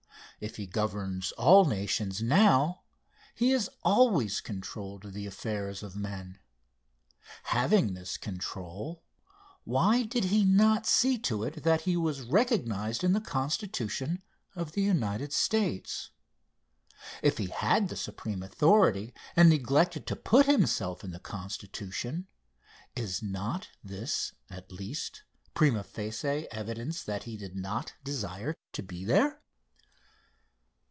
If he governs all nations now, he has always controlled the affairs of men. Having this control, why did he not see to it that he was recognized in the Constitution of the United States? If he had the supreme authority and neglected to put himself in the Constitution, is not this, at least, prima facie evidence that he did not desire to be there?